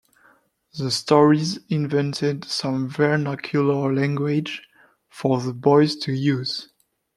The stories invented some vernacular language for the boys to use.